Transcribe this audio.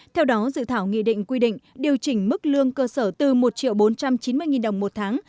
theo đó dự thảo nghị định quy định điều chỉnh mức lương cơ sở từ một bốn trăm chín mươi đồng một tháng